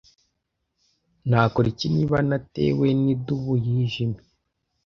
Nakora iki niba natewe nidubu yijimye?